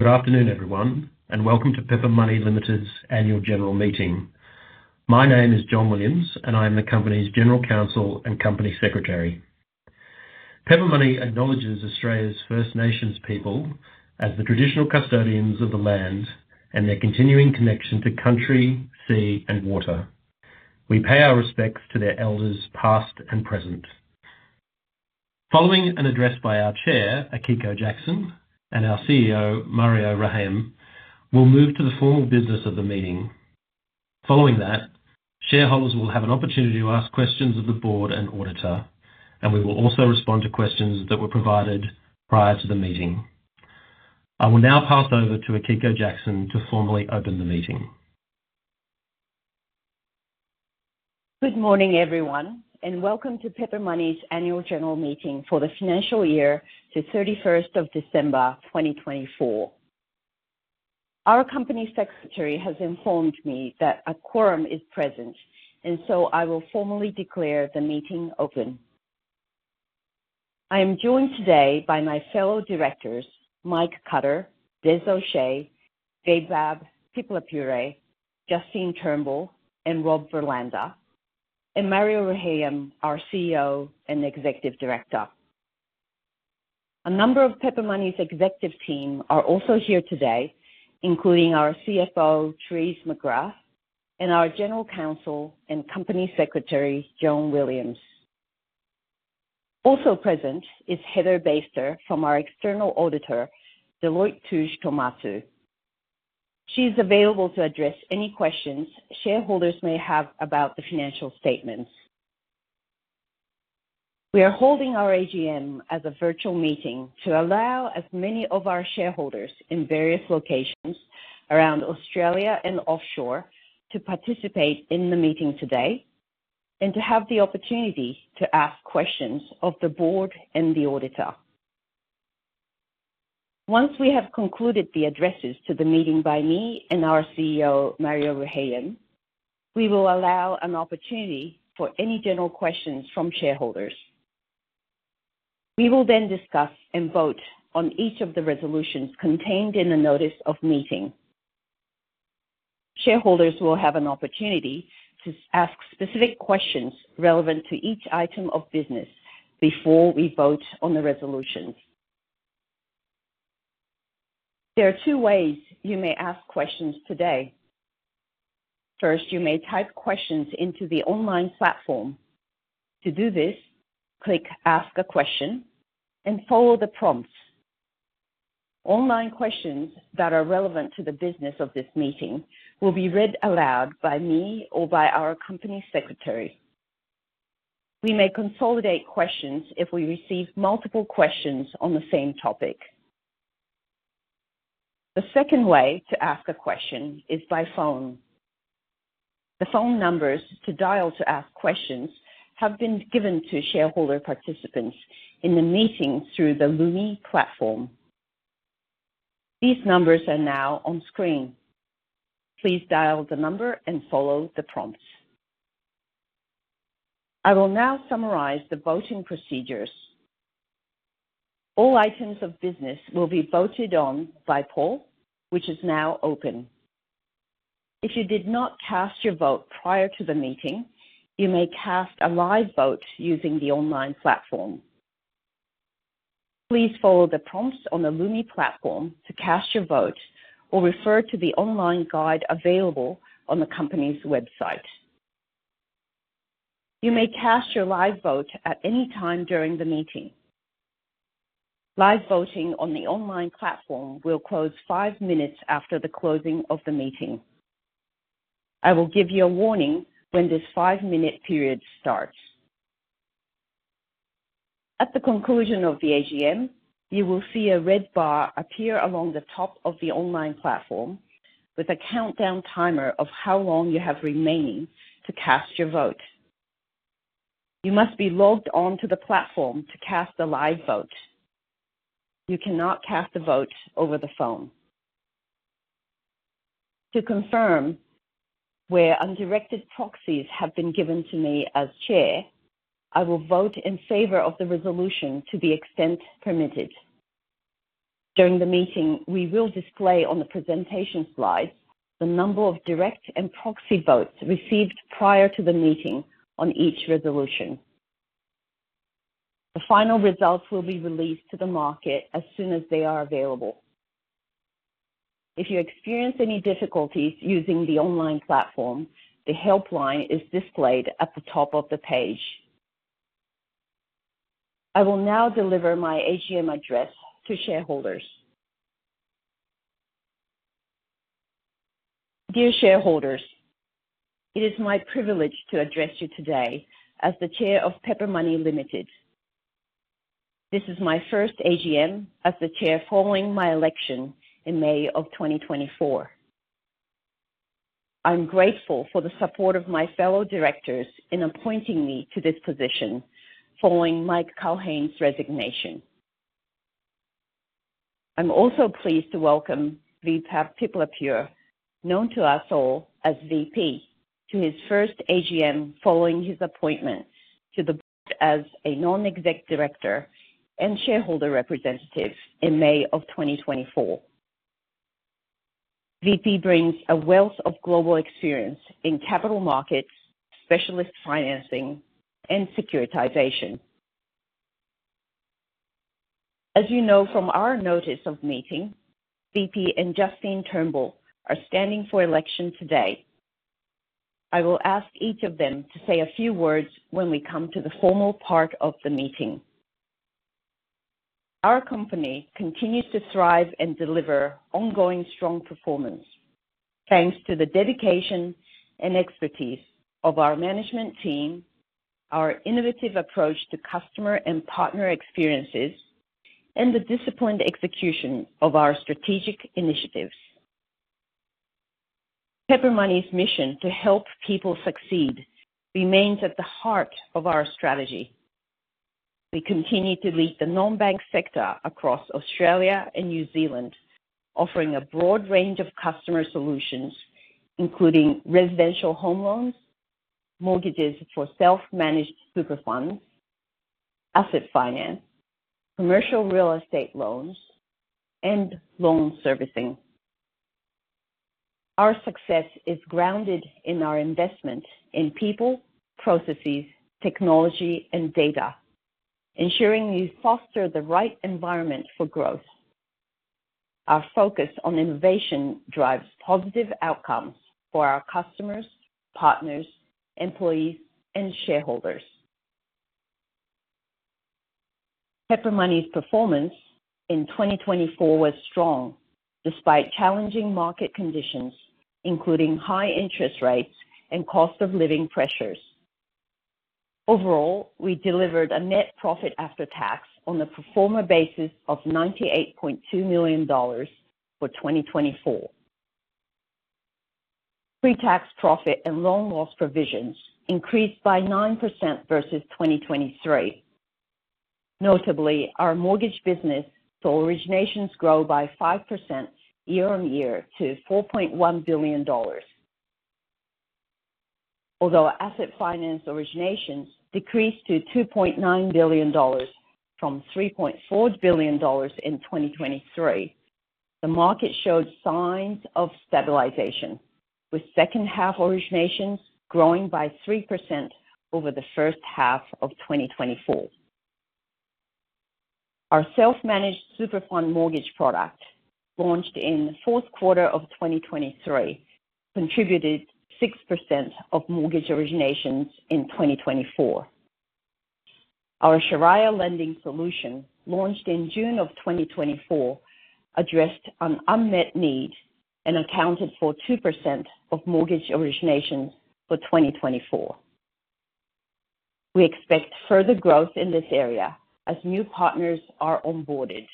Good afternoon, everyone, and welcome to Pepper Money Limited's annual general meeting. My name is John Williams, and I am the company's General Counsel and Company Secretary. Pepper Money acknowledges Australia's First Nations people as the traditional custodians of the land and their continuing connection to country, sea, and water. We pay our respects to their elders past and present. Following an address by our Chair, Akiko Jackson, and our CEO, Mario Rehayem, we'll move to the formal business of the meeting. Following that, shareholders will have an opportunity to ask questions of the board and auditor, and we will also respond to questions that were provided prior to the meeting. I will now pass over to Akiko Jackson to formally open the meeting. Good morning, everyone, and welcome to Pepper Money's annual general meeting for the financial year to 31st of December, 2024. Our Company Secretary has informed me that a quorum is present, and so I will formally declare the meeting open. I am joined today by my fellow directors, Mike Cutter, Des O’Shea, David Babb, Justine Turnbull, and Rob Verlander, and Mario Rehayem, our CEO and Executive Director. A number of Pepper Money's executive team are also here today, including our CFO, Therese McGrath, and our General Counsel and Company Secretary, John Williams. Also present is Heather Basedow from our external auditor, Deloitte Touche Tohmatsu. She is available to address any questions shareholders may have about the financial statements. We are holding our AGM as a virtual meeting to allow as many of our shareholders in various locations around Australia and offshore to participate in the meeting today and to have the opportunity to ask questions of the board and the auditor. Once we have concluded the addresses to the meeting by me and our CEO, Mario Rehayem, we will allow an opportunity for any general questions from shareholders. We will then discuss and vote on each of the resolutions contained in the notice of meeting. Shareholders will have an opportunity to ask specific questions relevant to each item of business before we vote on the resolutions. There are two ways you may ask questions today. First, you may type questions into the online platform. To do this, click "Ask a Question" and follow the prompts. Online questions that are relevant to the business of this meeting will be read aloud by me or by our Company Secretary. We may consolidate questions if we receive multiple questions on the same topic. The second way to ask a question is by phone. The phone numbers to dial to ask questions have been given to shareholder participants in the meeting through the Lumi platform. These numbers are now on screen. Please dial the number and follow the prompts. I will now summarize the voting procedures. All items of business will be voted on by poll, which is now open. If you did not cast your vote prior to the meeting, you may cast a live vote using the online platform. Please follow the prompts on the Lumi platform to cast your vote or refer to the online guide available on the company's website. You may cast your live vote at any time during the meeting. Live voting on the online platform will close five minutes after the closing of the meeting. I will give you a warning when this five-minute period starts. At the conclusion of the AGM, you will see a red bar appear along the top of the online platform with a countdown timer of how long you have remaining to cast your vote. You must be logged onto the platform to cast the live vote. You cannot cast a vote over the phone. To confirm, where undirected proxies have been given to me as Chair, I will vote in favor of the resolution to the extent permitted. During the meeting, we will display on the presentation slides the number of direct and proxy votes received prior to the meeting on each resolution. The final results will be released to the market as soon as they are available. If you experience any difficulties using the online platform, the helpline is displayed at the top of the page. I will now deliver my AGM address to shareholders. Dear shareholders, it is my privilege to address you today as the Chair of Pepper Money Limited. This is my first AGM as the Chair following my election in May of 2024. I'm grateful for the support of my fellow directors in appointing me to this position following Mike Culhane's resignation. I'm also pleased to welcome Vaibhav Piplapure, known to us all as VP, to his first AGM following his appointment to the board as a non-executive director and shareholder representative in May of 2024. VP brings a wealth of global experience in capital markets, specialist financing, and securitization. As you know from our notice of meeting, VP and Justine Turnbull are standing for election today. I will ask each of them to say a few words when we come to the formal part of the meeting. Our company continues to thrive and deliver ongoing strong performance thanks to the dedication and expertise of our management team, our innovative approach to customer and partner experiences, and the disciplined execution of our strategic initiatives. Pepper Money's mission to help people succeed remains at the heart of our strategy. We continue to lead the non-bank sector across Australia and New Zealand, offering a broad range of customer solutions, including residential home loans, mortgages for self-managed super funds, asset finance, commercial real estate loans, and loan servicing. Our success is grounded in our investment in people, processes, technology, and data, ensuring we foster the right environment for growth. Our focus on innovation drives positive outcomes for our customers, partners, employees, and shareholders. Pepper Money's performance in 2024 was strong despite challenging market conditions, including high interest rates and cost-of-living pressures. Overall, we delivered a net profit after tax on the performer basis of 98.2 million dollars for 2024. Pre-tax profit and loan loss provisions increased by 9% versus 2023. Notably, our mortgage business saw originations grow by 5% year-on-year to AUD 4.1 billion. Although asset finance originations decreased to 2.9 billion dollars from 3.4 billion dollars in 2023, the market showed signs of stabilization, with second-half originations growing by 3% over the first half of 2024. Our self-managed super fund mortgage product, launched in the fourth quarter of 2023, contributed 6% of mortgage originations in 2024. Our Shariah lending solution, launched in June of 2024, addressed an unmet need and accounted for 2% of mortgage originations for 2024. We expect further growth in this area as new partners are onboarded.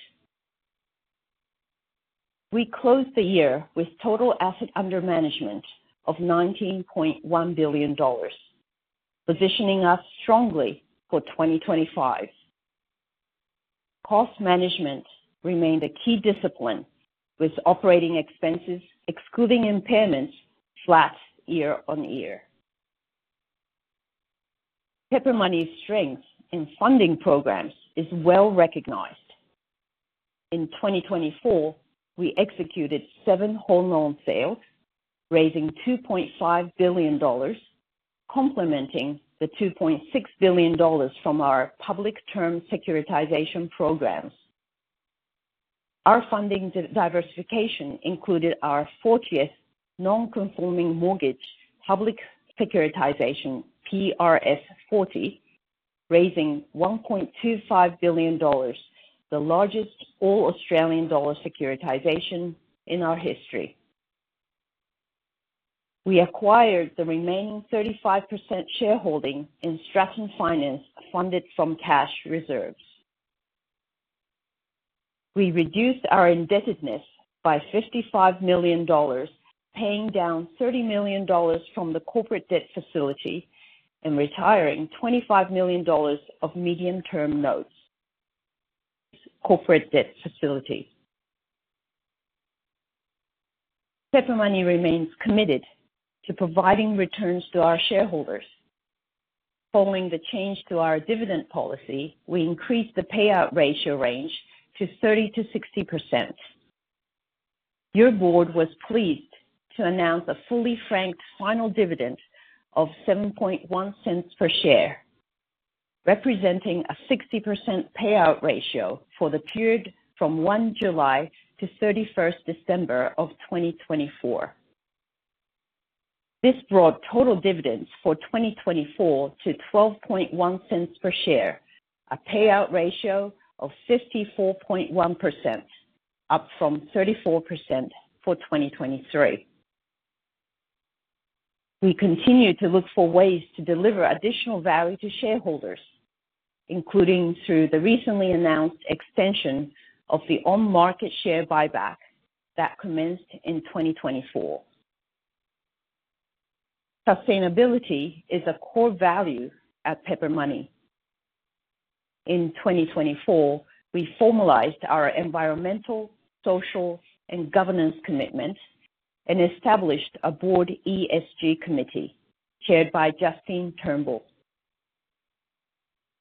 We closed the year with total assets under management of 19.1 billion dollars, positioning us strongly for 2025. Cost management remained a key discipline, with operating expenses excluding impairments flat year on year. Pepper Money's strength in funding programs is well recognized. In 2024, we executed seven whole loan sales, raising 2.5 billion dollars, complementing the 2.6 billion dollars from our public term securitization programs. Our funding diversification included our 40th non-conforming mortgage public securitization, PRS40, raising 1.25 billion dollars, the largest all-Australian dollar securitization in our history. We acquired the remaining 35% shareholding in Stratton Finance, funded from cash reserves. We reduced our indebtedness by 55 million dollars, paying down 30 million dollars from the corporate debt facility and retiring 25 million dollars of medium-term notes. Corporate debt facility. Pepper Money remains committed to providing returns to our shareholders. Following the change to our dividend policy, we increased the payout ratio range to 30%-60%. Your board was pleased to announce a fully franked final dividend of 0.071 per share, representing a 60% payout ratio for the period from 1 July to 31st December of 2024. This brought total dividends for 2024 to 0.121 per share, a payout ratio of 54.1%, up from 34% for 2023. We continue to look for ways to deliver additional value to shareholders, including through the recently announced extension of the on-market share buyback that commenced in 2024. Sustainability is a core value at Pepper Money. In 2024, we formalized our environmental, social, and governance commitments and established a board ESG committee chaired by Justine Turnbull.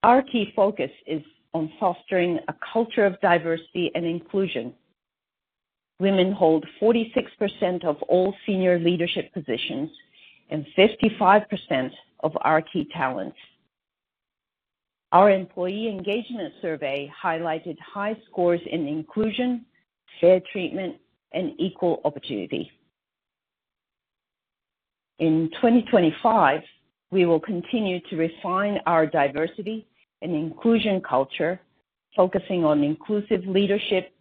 Our key focus is on fostering a culture of diversity and inclusion. Women hold 46% of all senior leadership positions and 55% of our key talents. Our employee engagement survey highlighted high scores in inclusion, fair treatment, and equal opportunity. In 2025, we will continue to refine our diversity and inclusion culture, focusing on inclusive leadership,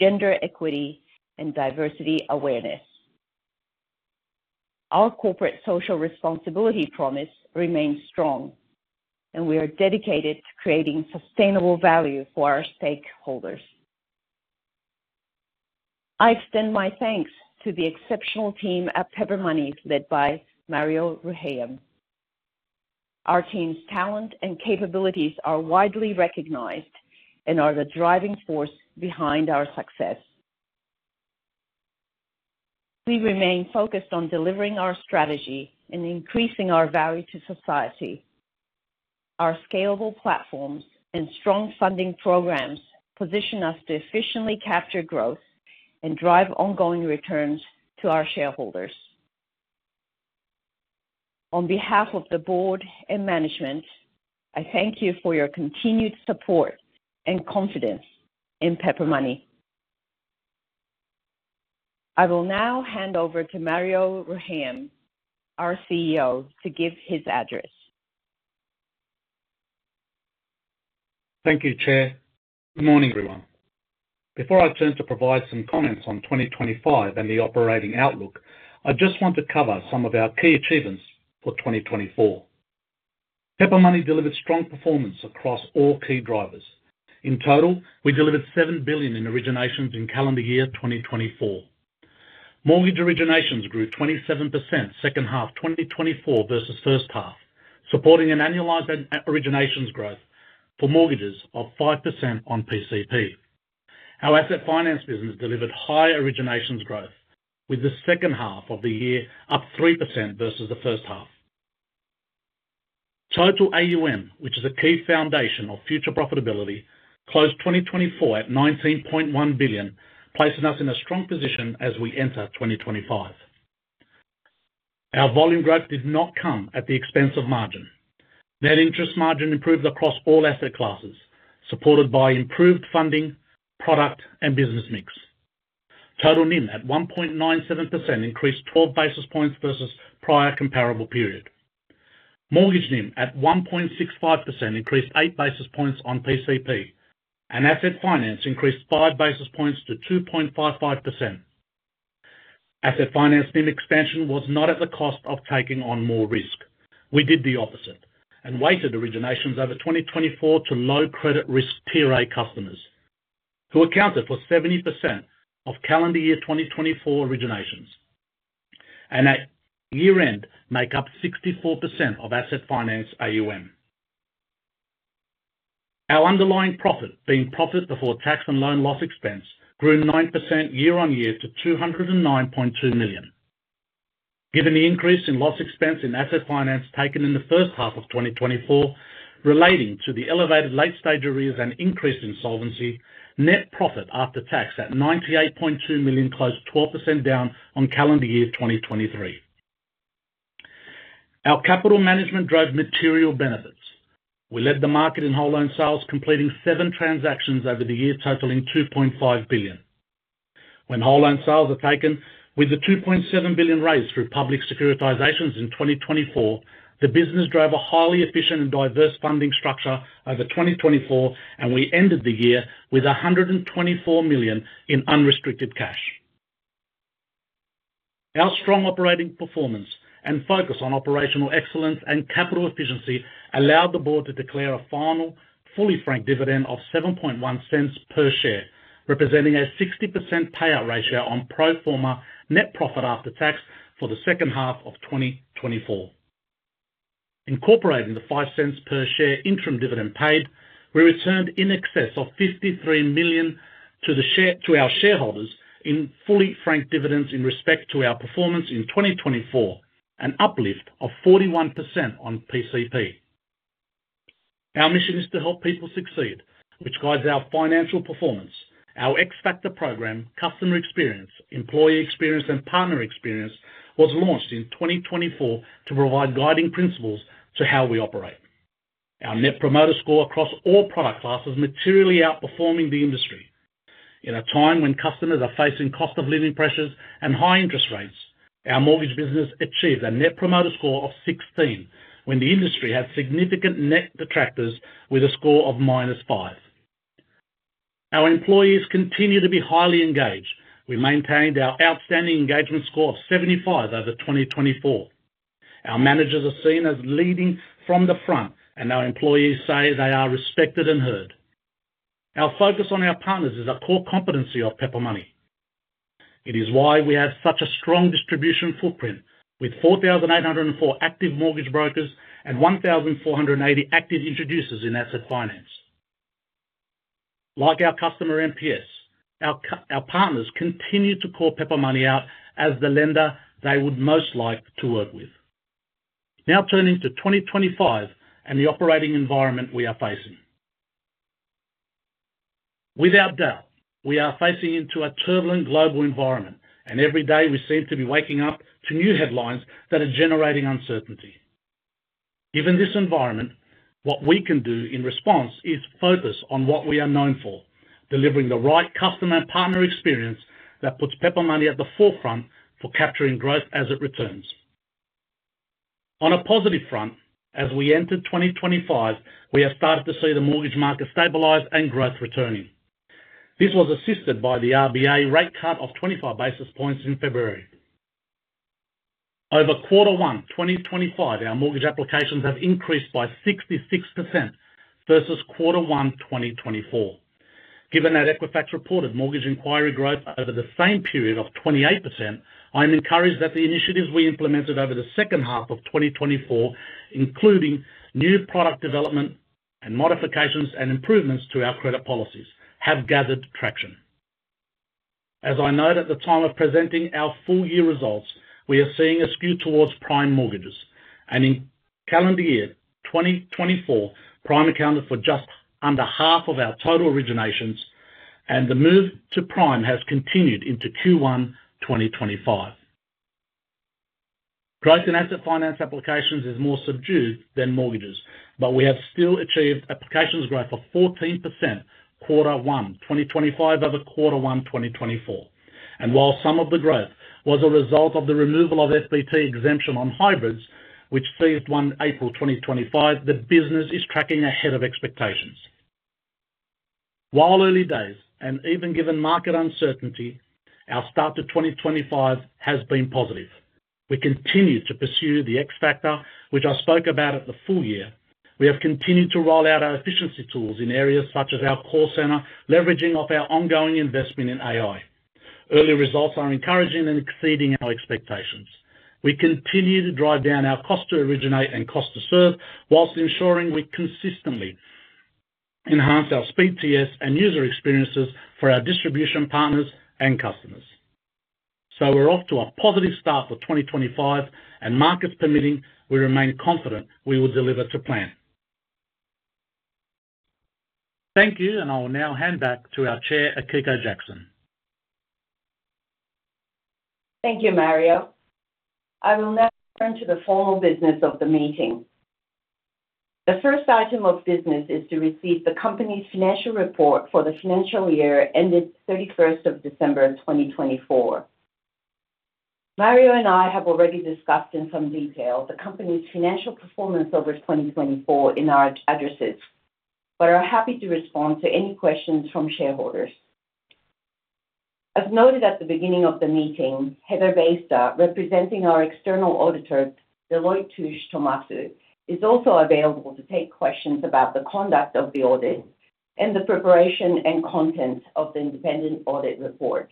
gender equity, and diversity awareness. Our corporate social responsibility promise remains strong, and we are dedicated to creating sustainable value for our stakeholders. I extend my thanks to the exceptional team at Pepper Money led by Mario Rehayem. Our team's talent and capabilities are widely recognized and are the driving force behind our success. We remain focused on delivering our strategy and increasing our value to society. Our scalable platforms and strong funding programs position us to efficiently capture growth and drive ongoing returns to our shareholders. On behalf of the board and management, I thank you for your continued support and confidence in Pepper Money. I will now hand over to Mario Rehayem, our CEO, to give his address. Thank you, Chair. Good morning, everyone. Before I turn to provide some comments on 2025 and the operating outlook, I just want to cover some of our key achievements for 2024. Pepper Money delivered strong performance across all key drivers. In total, we delivered 7 billion in originations in calendar year 2024. Mortgage originations grew 27% second half 2024 versus first half, supporting an annualized originations growth for mortgages of 5% on PCP. Our asset finance business delivered high originations growth, with the second half of the year up 3% versus the first half. Total AUM, which is a key foundation of future profitability, closed 2024 at 19.1 billion, placing us in a strong position as we enter 2025. Our volume growth did not come at the expense of margin. Net interest margin improved across all asset classes, supported by improved funding, product, and business mix. Total NIM at 1.97% increased 12 basis points versus prior comparable period. Mortgage NIM at 1.65% increased 8 basis points on PCP, and asset finance increased 5 basis points to 2.55%. Asset finance NIM expansion was not at the cost of taking on more risk. We did the opposite and weighted originations over 2024 to low credit risk Tier A customers, who accounted for 70% of calendar year 2024 originations, and at year-end made up 64% of asset finance AUM. Our underlying profit, being profit before tax and loan loss expense, grew 9% year-on-year to 209.2 million. Given the increase in loss expense in asset finance taken in the first half of 2024, relating to the elevated late-stage arrears and increase in solvency, net profit after tax at 98.2 million closed 12% down on calendar year 2023. Our capital management drove material benefits. We led the market in whole loan sales, completing seven transactions over the year totaling 2.5 billion. When whole loan sales are taken, with the 2.7 billion raised through public securitizations in 2024, the business drove a highly efficient and diverse funding structure over 2024, and we ended the year with 124 million in unrestricted cash. Our strong operating performance and focus on operational excellence and capital efficiency allowed the board to declare a final fully franked dividend of 0.071 per share, representing a 60% payout ratio on pro forma net profit after tax for the second half of 2024. Incorporating the 0.05 per share interim dividend paid, we returned in excess of 53 million to our shareholders in fully franked dividends in respect to our performance in 2024, an uplift of 41% on PCP. Our mission is to help people succeed, which guides our financial performance. Our X-Factor program, Customer Experience, Employee Experience, and Partner Experience was launched in 2024 to provide guiding principles to how we operate. Our net promoter score across all product classes materially outperforming the industry. In a time when customers are facing cost-of-living pressures and high interest rates, our mortgage business achieved a net promoter score of 16, when the industry had significant net detractors with a score of minus five. Our employees continue to be highly engaged. We maintained our outstanding engagement score of 75 over 2024. Our managers are seen as leading from the front, and our employees say they are respected and heard. Our focus on our partners is a core competency of Pepper Money. It is why we have such a strong distribution footprint, with 4,804 active mortgage brokers and 1,480 active introducers in asset finance. Like our customer NPS, our partners continue to call Pepper Money out as the lender they would most like to work with. Now turning to 2025 and the operating environment we are facing. Without doubt, we are facing into a turbulent global environment, and every day we seem to be waking up to new headlines that are generating uncertainty. Given this environment, what we can do in response is focus on what we are known for: delivering the right customer and partner experience that puts Pepper Money at the forefront for capturing growth as it returns. On a positive front, as we enter 2025, we have started to see the mortgage market stabilize and growth returning. This was assisted by the RBA rate cut of 25 basis points in February. Over quarter one 2025, our mortgage applications have increased by 66% versus quarter one 2024. Given that Equifax reported mortgage inquiry growth over the same period of 28%, I am encouraged that the initiatives we implemented over the second half of 2024, including new product development and modifications and improvements to our credit policies, have gathered traction. As I note at the time of presenting our full year results, we are seeing a skew towards prime mortgages. In calendar year 2024, prime accounted for just under half of our total originations, and the move to prime has continued into Q1 2025. Growth in asset finance applications is more subdued than mortgages, but we have still achieved applications growth of 14% quarter one 2025 over-quarter one 2024. While some of the growth was a result of the removal of FBT exemption on hybrids, which ceased one April 2025, the business is tracking ahead of expectations. While early days, and even given market uncertainty, our start to 2025 has been positive. We continue to pursue the X-Factor, which I spoke about at the full year. We have continued to roll out our efficiency tools in areas such as our call center, leveraging our ongoing investment in AI. Early results are encouraging and exceeding our expectations. We continue to drive down our cost to originate and cost to serve, whilst ensuring we consistently enhance our speed to use and user experiences for our distribution partners and customers. We're off to a positive start for 2025, and markets permitting, we remain confident we will deliver to plan. Thank you, and I will now hand back to our Chair, Akiko Jackson. Thank you, Mario. I will now turn to the formal business of the meeting. The first item of business is to receive the company's financial report for the financial year ended 31st of December 2024. Mario and I have already discussed in some detail the company's financial performance over 2024 in our addresses, but are happy to respond to any questions from shareholders. As noted at the beginning of the meeting, Heather Basedow, representing our external auditor, Deloitte Touche Tohmatsu, is also available to take questions about the conduct of the audit and the preparation and content of the independent audit report.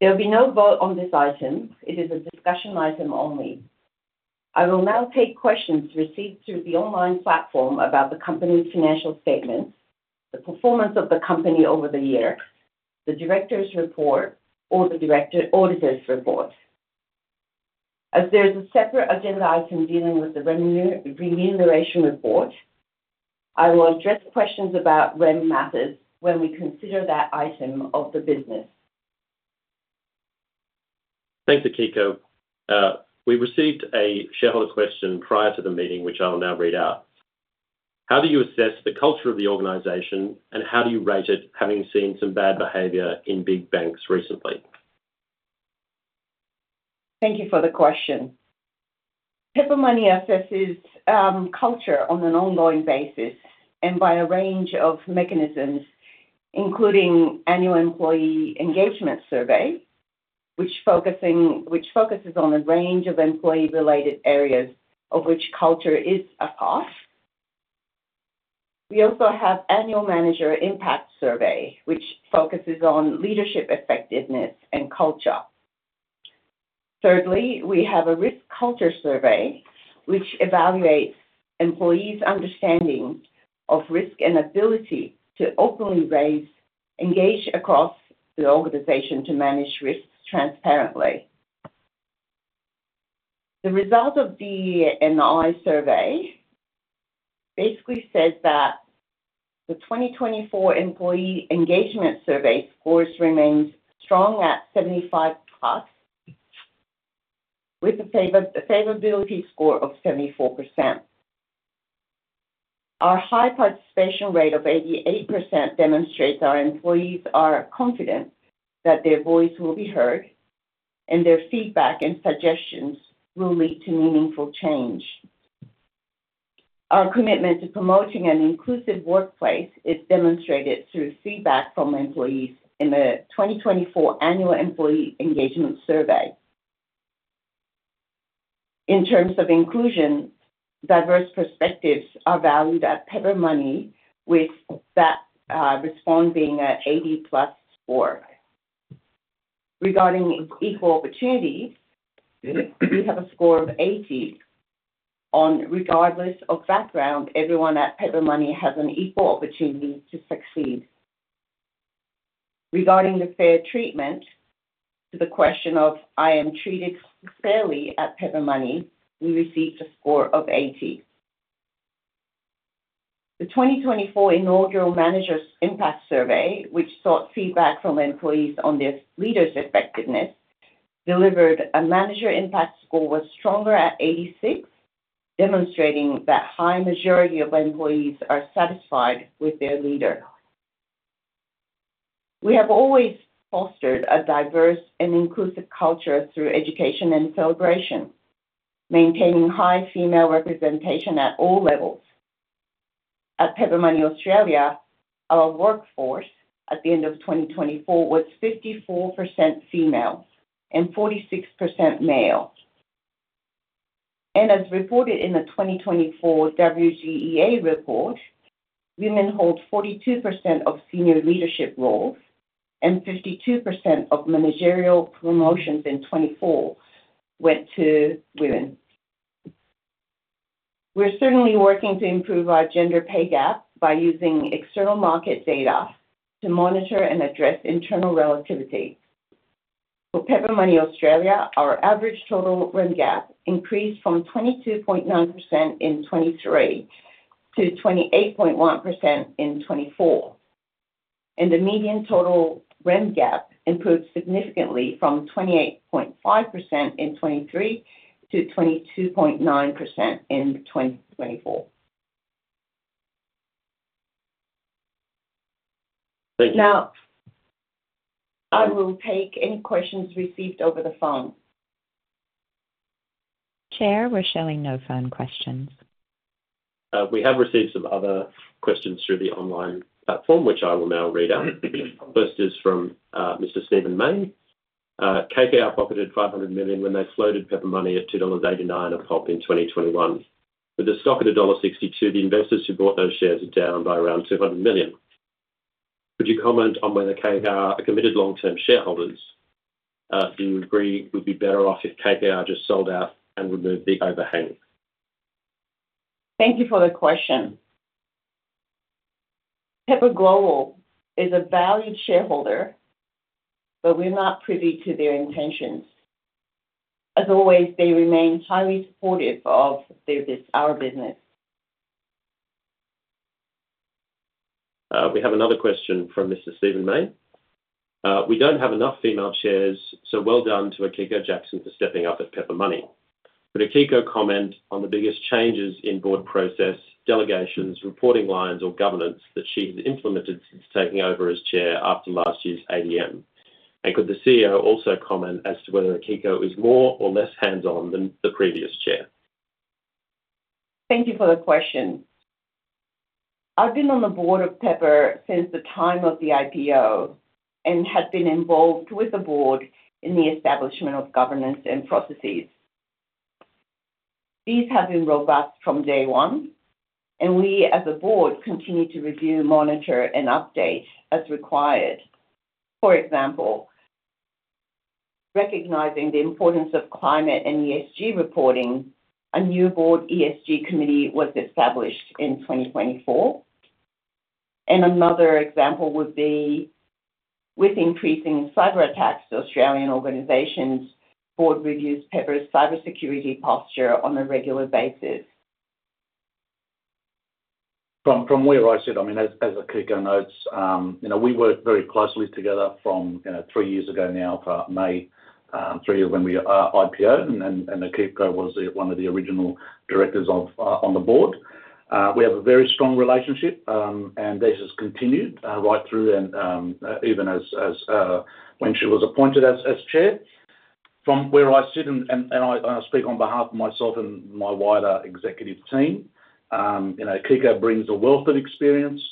There will be no vote on this item. It is a discussion item only. I will now take questions received through the online platform about the company's financial statements, the performance of the company over the year, the director's report, or the auditor's report. As there is a separate agenda item dealing with the remuneration report, I will address questions about remuneration matters when we consider that item of the business. Thanks, Akiko. We received a shareholder question prior to the meeting, which I'll now read out. How do you assess the culture of the organization, and how do you rate it having seen some bad behavior in big banks recently? Thank you for the question. Pepper Money assesses culture on an ongoing basis and by a range of mechanisms, including annual employee engagement survey, which focuses on a range of employee-related areas of which culture is a part. We also have annual manager impact survey, which focuses on leadership effectiveness and culture. Thirdly, we have a risk culture survey, which evaluates employees' understanding of risk and ability to openly engage across the organization to manage risks transparently. The result of the NI survey basically says that the 2024 employee engagement survey scores remain strong at 75+, with a favorability score of 74%. Our high participation rate of 88% demonstrates our employees are confident that their voice will be heard, and their feedback and suggestions will lead to meaningful change. Our commitment to promoting an inclusive workplace is demonstrated through feedback from employees in the 2024 annual employee engagement survey. In terms of inclusion, diverse perspectives are valued at Pepper Money, with that response being an 80+ score. Regarding equal opportunities, we have a score of 80. Regardless of background, everyone at Pepper Money has an equal opportunity to succeed. Regarding the fair treatment, to the question of, "I am treated fairly at Pepper Money," we received a score of 80. The 2024 inaugural manager's impact survey, which sought feedback from employees on their leaders' effectiveness, delivered a manager impact score stronger at 86, demonstrating that a high majority of employees are satisfied with their leader. We have always fostered a diverse and inclusive culture through education and celebration, maintaining high female representation at all levels. At Pepper Money Australia, our workforce at the end of 2024 was 54% female and 46% male. As reported in the 2024 WGEA report, women hold 42% of senior leadership roles, and 52% of managerial promotions in 2024 went to women. We are certainly working to improve our gender pay gap by using external market data to monitor and address internal relativity. For Pepper Money Australia, our average total remit gap increased from 22.9% in 2023 to 28.1% in 2024. The median total remit gap improved significantly from 28.5% in 2023 to 22.9% in 2024. Thank you. Now, I will take any questions received over the phone. Chair, we are showing no phone questions. We have received some other questions through the online platform, which I will now read out. First is from Mr. Stephen Maine. KKR pocketed 500 million when they floated Pepper Money at 2.89 dollars a-pop in 2021. With the stock at dollar 1.62, the investors who bought those shares are down by around 200 million. Could you comment on whether KKR are committed long-term shareholders? Do you agree we would be better off if KKR just sold out and removed the overhang? Thank you for the question. Pepper Global is a valued shareholder, but we are not privy to their intentions. As always, they remain highly supportive of our business. We have another question from Mr. Stephen Maine. We do not have enough female chairs, so well done to Akiko Jackson for stepping up at Pepper Money. Could Akiko comment on the biggest changes in board process, delegations, reporting lines, or governance that she has implemented since taking over as chair after last year's AGM? Could the CEO also comment as to whether Akiko is more or less hands-on than the previous chair? Thank you for the question. I have been on the board of Pepper since the time of the IPO and have been involved with the board in the establishment of governance and processes. These have been robust from day one, and we as a board continue to review, monitor, and update as required. For example, recognizing the importance of climate and ESG reporting, a new board ESG committee was established in 2024. Another example would be, with increasing cyberattacks to Australian organizations, board reviews Pepper's cybersecurity posture on a regular basis. From where I sit, I mean, as Akiko notes, we worked very closely together from three years ago now, about May, three years when we IPO, and Akiko was one of the original directors on the board. We have a very strong relationship, and this has continued right through, even as when she was appointed as Chair. From where I sit, and I speak on behalf of myself and my wider executive team, Akiko brings a wealth of experience.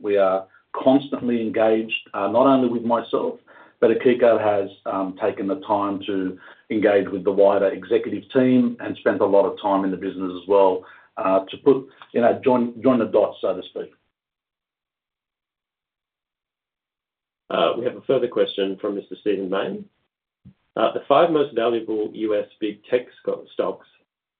We are constantly engaged, not only with myself, but Akiko has taken the time to engage with the wider executive team and spent a lot of time in the business as well to join the dots, so to speak. We have a further question from Mr. Stephen Maine. The five most valuable U.S. big tech stocks,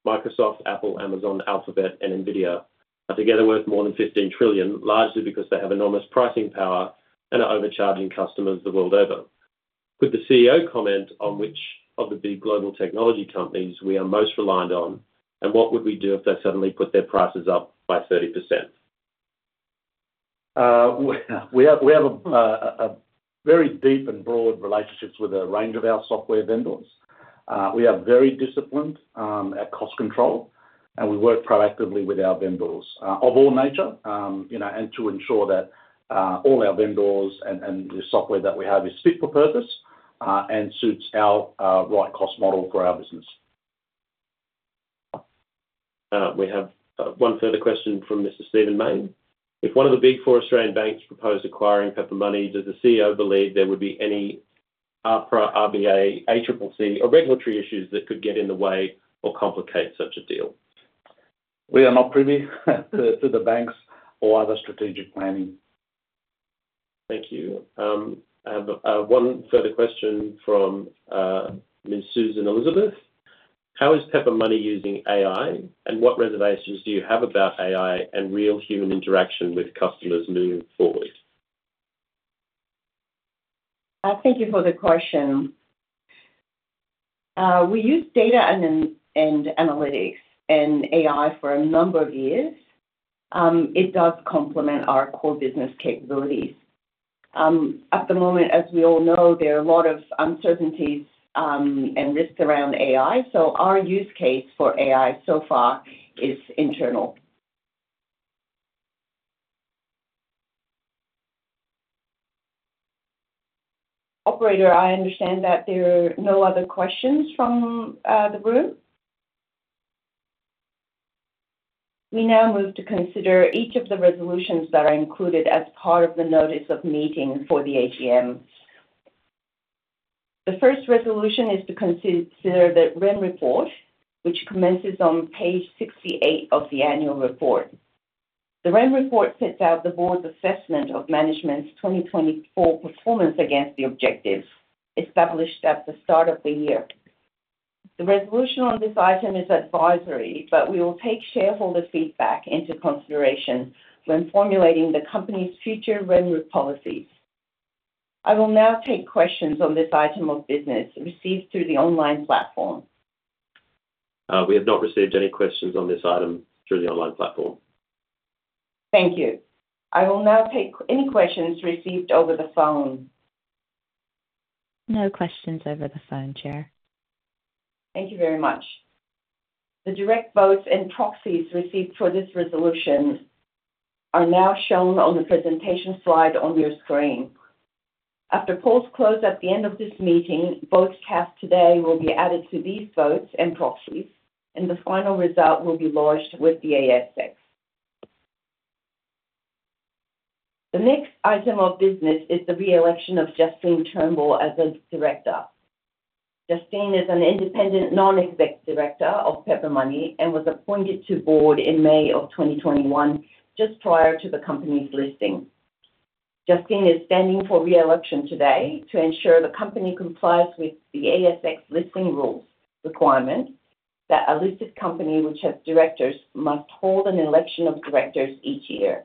Microsoft, Apple, Amazon, Alphabet, and Nvidia, are together worth more than 15 trillion, largely because they have enormous pricing power and are overcharging customers the world over. Could the CEO comment on which of the big global technology companies we are most reliant on, and what would we do if they suddenly put their prices up by 30%? We have very deep and broad relationships with a range of our software vendors. We are very disciplined at cost control, and we work proactively with our vendors of all nature to ensure that all our vendors and the software that we have is fit for purpose and suits our right cost model for our business. We have one further question from Mr. Stephen Maine. If one of the big four Australian banks proposed acquiring Pepper Money, does the CEO believe there would be any APRA, RBA, ACCC, or regulatory issues that could get in the way or complicate such a deal? We are not privy to the banks or other strategic planning. Thank you. I have one further question from Ms. Susan Elizabeth. How is Pepper Money using AI, and what reservations do you have about AI and real human interaction with customers moving forward? Thank you for the question. We use data and analytics and AI for a number of years. It does complement our core business capabilities. At the moment, as we all know, there are a lot of uncertainties and risks around AI, so our use case for AI so far is internal. Operator, I understand that there are no other questions from the room. We now move to consider each of the resolutions that are included as part of the notice of meeting for the AGM. The first resolution is to consider the remuneration report, which commences on page 68 of the annual report. The remuneration report sets out the board's assessment of management's 2024 performance against the objectives established at the start of the year. The resolution on this item is advisory, but we will take shareholder feedback into consideration when formulating the company's future remuneration policies. I will now take questions on this item of business received through the online platform. We have not received any questions on this item through the online platform. Thank you. I will now take any questions received over the phone. No questions over the phone, Chair. Thank you very much. The direct votes and proxies received for this resolution are now shown on the presentation slide on your screen. After polls close at the end of this meeting, votes cast today will be added to these votes and proxies, and the final result will be lodged with the ASX. The next item of business is the reelection of Justine Turnbull as a director. Justine is an independent non-exec director of Pepper Money and was appointed to the board in May of 2021, just prior to the company's listing. Justine is standing for reelection today to ensure the company complies with the ASX listing rules requirement that a listed company which has directors must hold an election of directors each year.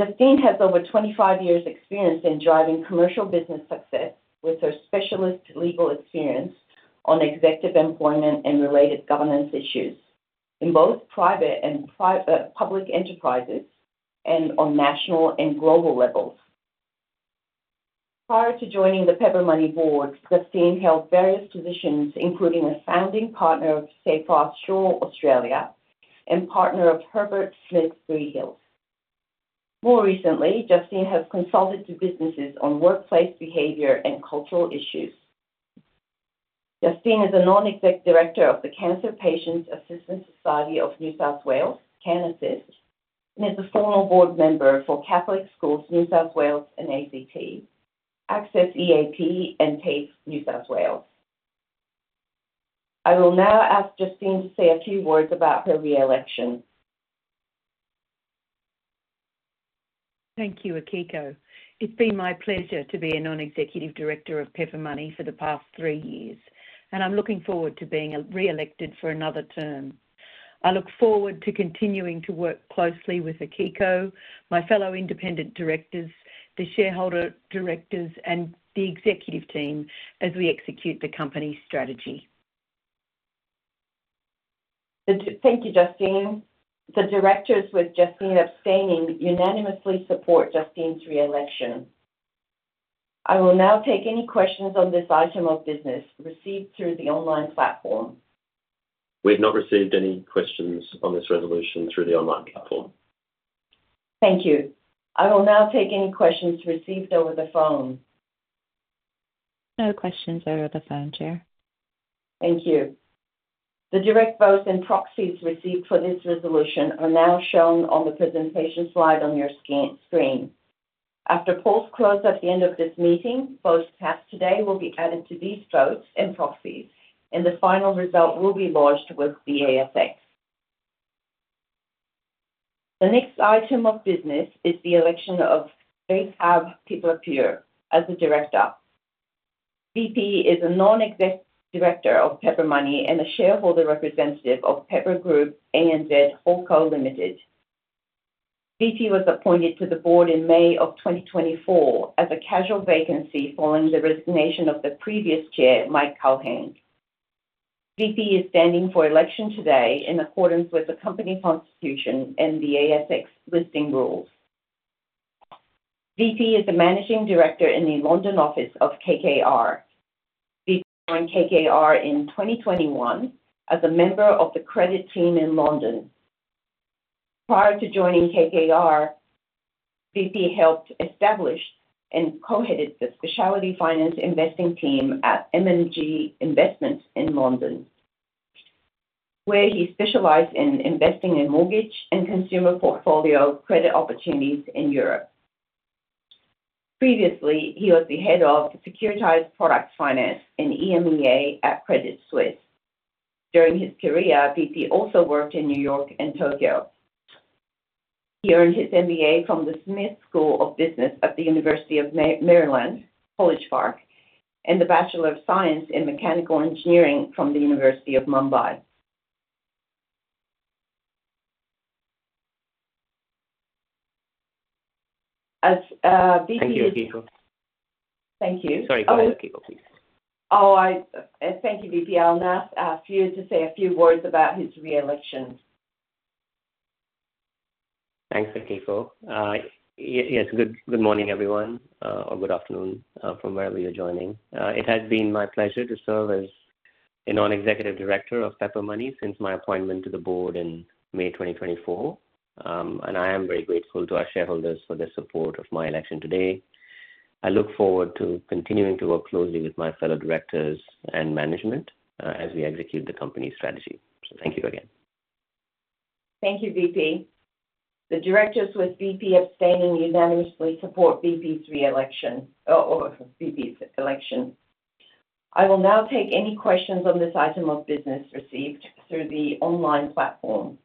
Justine has over 25 years' experience in driving commercial business success with her specialist legal experience on executive employment and related governance issues in both private and public enterprises and on national and global levels. Prior to joining the Pepper Money board, Justine held various positions, including a founding partner of Safe Our Shore Australia and partner of Herbert Smith Freehills. More recently, Justine has consulted to businesses on workplace behavior and cultural issues. Justine is a non-executive director of the Cancer Patients Assistance Society of New South Wales, CANASYS, and is a former board member for Catholic Schools New South Wales and ACT, ACCESS EAP, and TAFE New South Wales. I will now ask Justine to say a few words about her reelection. Thank you, Akiko. It's been my pleasure to be a non-executive director of Pepper Money for the past three years, and I'm looking forward to being reelected for another term. I look forward to continuing to work closely with Akiko, my fellow independent directors, the shareholder directors, and the executive team as we execute the company's strategy. Thank you, Justine. The directors, with Justine abstaining, unanimously support Justine's reelection. I will now take any questions on this item of business received through the online platform. We have not received any questions on this resolution through the online platform. Thank you. I will now take any questions received over the phone. No questions over the phone, Chair. Thank you. The direct votes and proxies received for this resolution are now shown on the presentation slide on your screen. After polls close at the end of this meeting, votes cast today will be added to these votes and proxies, and the final result will be lodged with the ASX. The next item of business is the election of Vaibhav Piplapure as a director. VP is a non-executive director of Pepper Money and a shareholder representative of Pepper Group A&NZ HoldCo Ltd. VP was appointed to the board in May of 2024 as a casual vacancy following the resignation of the previous Chair, Mike Culhane. VP is standing for election today in accordance with the company constitution and the ASX listing rules. VP is a managing director in the London office of KKR. VP joined KKR in 2021 as a member of the credit team in London. Prior to joining KKR, VP helped establish and co-headed the specialty finance investing team at M&G Investments in London, where he specialized in investing in mortgage and consumer portfolio credit opportunities in Europe. Previously, he was the head of securitized product finance and EMEA at Credit Suisse. During his career, VP also worked in New York and Tokyo. He earned his MBA from the Smith School of Business at the University of Maryland, College Park, and the Bachelor of Science in Mechanical Engineering from the University of Mumbai. As VP Thank you, Akiko. Thank you. Sorry, go ahead, Akiko, please. Oh, thank you, VP I'll now ask you to say a few words about his reelection. Thanks, Akiko. Yes, good morning, everyone, or good afternoon from wherever you're joining. It has been my pleasure to serve as a non-executive director of Pepper Money since my appointment to the board in May 2024, and I am very grateful to our shareholders for their support of my election today. I look forward to continuing to work closely with my fellow directors and management as we execute the company's strategy. Thank you again. Thank you, VP. The directors, with VP abstaining, unanimously support VP's election. I will now take any questions on this item of business received through the online platform.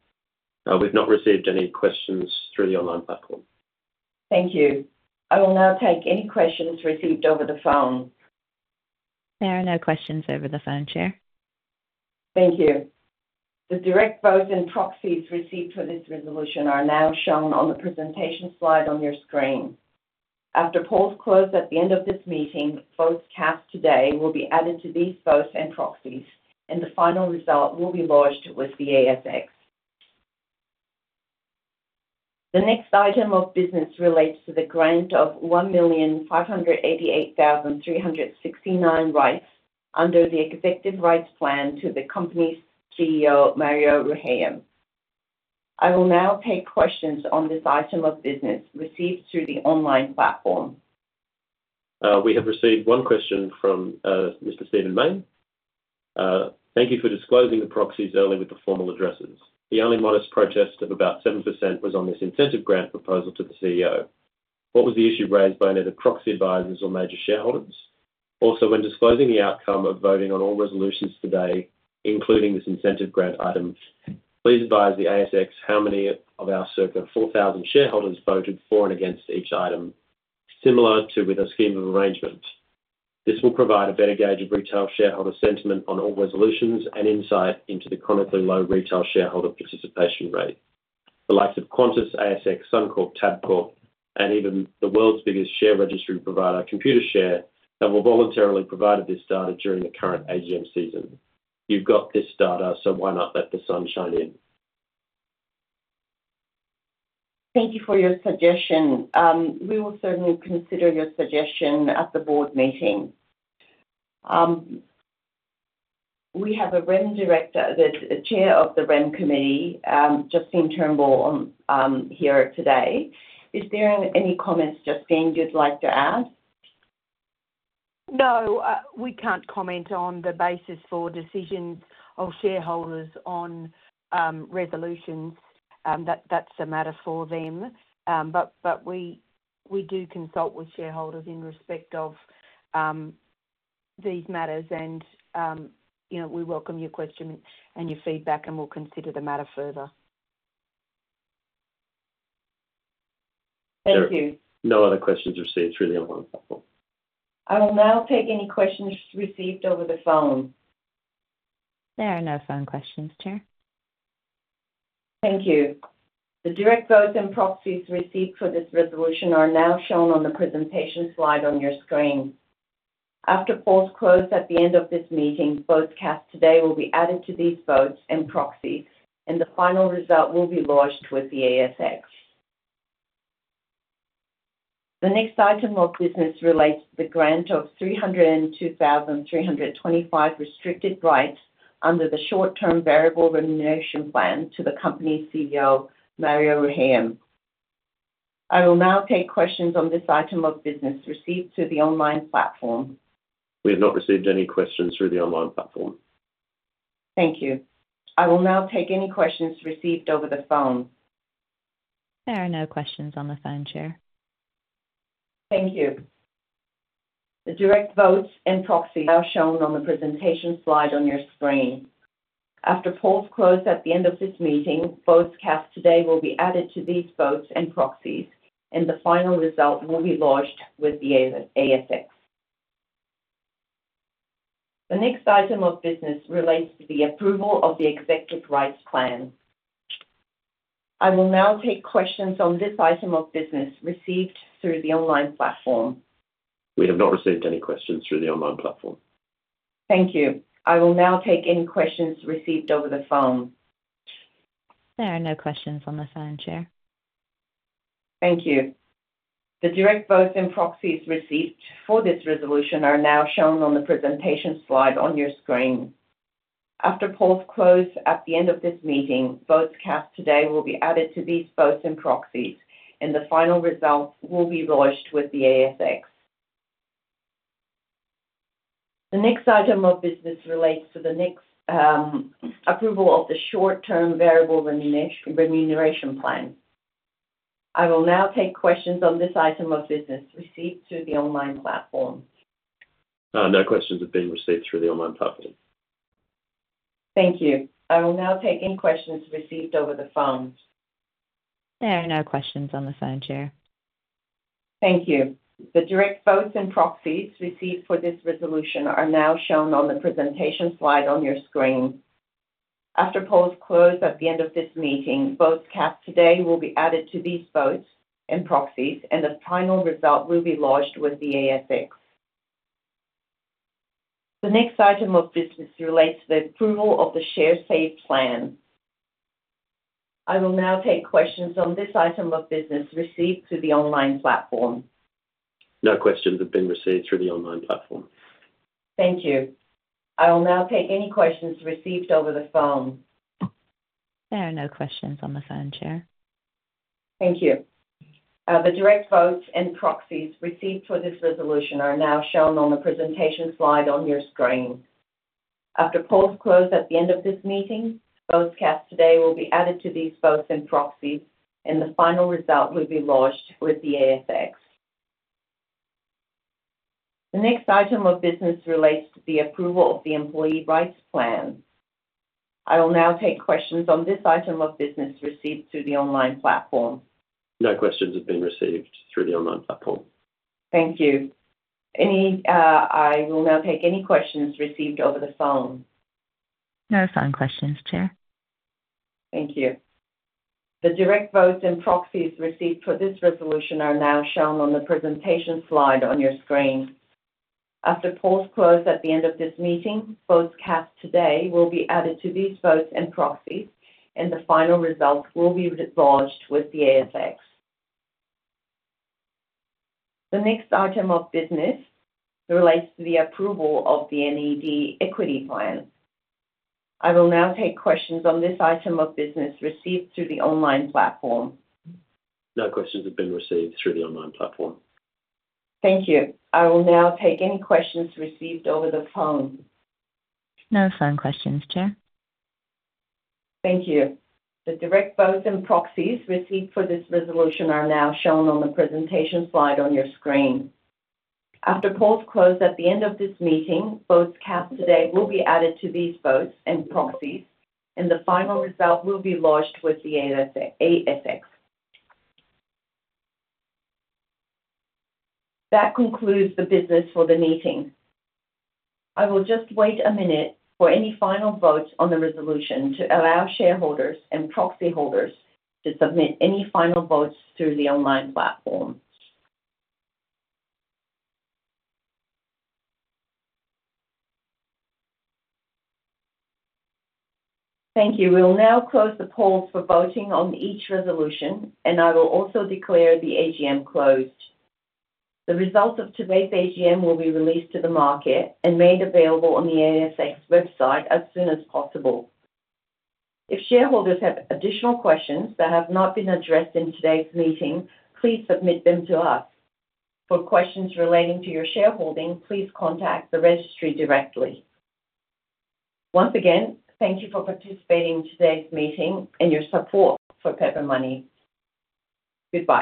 We have not received any questions through the online platform. Thank you. I will now take any questions received over the phone. There are no questions over the phone, Chair. Thank you. The direct votes and proxies received for this resolution are now shown on the presentation slide on your screen. After polls close at the end of this meeting, votes cast today will be added to these votes and proxies, and the final result will be lodged with the ASX. The next item of business relates to the grant of 1,588,369 rights under the executive rights plan to the company's CEO, Mario Rehayem. I will now take questions on this item of business received through the online platform. We have received one question from Mr. Stephen Maine. Thank you for disclosing the proxies early with the formal addresses. The only modest protest of about 7% was on this incentive grant proposal to the CEO. What was the issue raised by any of the proxy advisors or major shareholders? Also, when disclosing the outcome of voting on all resolutions today, including this incentive grant item, please advise the ASX how many of our circa 4,000 shareholders voted for and against each item, similar to with a scheme of arrangement. This will provide a better gauge of retail shareholder sentiment on all resolutions and insight into the chronically low retail shareholder participation rate. The likes of Qantas, ASX, Suncorp, Tabcorp, and even the world's biggest share registry provider, Computershare, have all voluntarily provided this data during the current AGM season. You've got this data, so why not let the sun shine in? Thank you for your suggestion. We will certainly consider your suggestion at the board meeting. We have a Chair of the Remuneration Committee, Justine Turnbull, here today. Is there any comments, Justine, you'd like to add? No. We can't comment on the basis for decisions of shareholders on resolutions. That's a matter for them. But we do consult with shareholders in respect of these matters, and we welcome your questions and your feedback, and we'll consider the matter further. Thank you. No other questions received through the online platform. I will now take any questions received over the phone. There are no phone questions, Chair. Thank you. The direct votes and proxies received for this resolution are now shown on the presentation slide on your screen. After polls close at the end of this meeting, votes cast today will be added to these votes and proxies, and the final result will be lodged with the ASX. The next item of business relates to the grant of 302,325 restricted rights under the short-term variable remuneration plan to the company's CEO, Mario Rehayem. I will now take questions on this item of business received through the online platform. We have not received any questions through the online platform. Thank you. I will now take any questions received over the phone. There are no questions on the phone, Chair. Thank you. The direct votes and proxies are now shown on the presentation slide on your screen. After polls close at the end of this meeting, votes cast today will be added to these votes and proxies, and the final result will be lodged with the ASX. The next item of business relates to the approval of the executive rights plan.I will now take questions on this item of business received through the online platform. We have not received any questions through the online platform. Thank you. I will now take any questions received over the phone. There are no questions on the phone, Chair. Thank you. The direct votes and proxies received for this resolution are now shown on the presentation slide on your screen. After polls close at the end of this meeting, votes cast today will be added to these votes and proxies, and the final result will be lodged with the ASX. The next item of business relates to the approval of the short-term variable remuneration plan. I will now take questions on this item of business received through the online platform. No questions have been received through the online platform. Thank you. I will now take any questions received over the phone. There are no questions on the phone, Chair. Thank you. The direct votes and proxies received for this resolution are now shown on the presentation slide on your screen. After polls close at the end of this meeting, votes cast today will be added to these votes and proxies, and the final result will be lodged with the ASX. The next item of business relates to the approval of the share save plan. I will now take questions on this item of business received through the online platform. No questions have been received through the online platform. Thank you. I will now take any questions received over the phone. There are no questions on the phone, Chair. Thank you. The direct votes and proxies received for this resolution are now shown on the presentation slide on your screen. After polls close at the end of this meeting, votes cast today will be added to these votes and proxies, and the final result will be lodged with the ASX. The next item of business relates to the approval of the employee rights plan. I will now take questions on this item of business received through the online platform. No questions have been received through the online platform. Thank you. I will now take any questions received over the phone. No phone questions, Chair. Thank you. The direct votes and proxies received for this resolution are now shown on the presentation slide on your screen. After polls close at the end of this meeting, votes cast today will be added to these votes and proxies, and the final result will be lodged with the ASX. The next item of business relates to the approval of the NED equity plan. I will now take questions on this item of business received through the online platform. No questions have been received through the online platform. Thank you. I will now take any questions received over the phone. No phone questions, Chair. Thank you. The direct votes and proxies received for this resolution are now shown on the presentation slide on your screen. After polls close at the end of this meeting, votes cast today will be added to these votes and proxies, and the final result will be lodged with the ASX. That concludes the business for the meeting. I will just wait a minute for any final votes on the resolution to allow shareholders and proxy holders to submit any final votes through the online platform. Thank you. We'll now close the polls for voting on each resolution, and I will also declare the AGM closed. The results of today's AGM will be released to the market and made available on the ASX website as soon as possible. If shareholders have additional questions that have not been addressed in today's meeting, please submit them to us. For questions relating to your shareholding, please contact the registry directly. Once again, thank you for participating in today's meeting and your support for Pepper Money. Goodbye.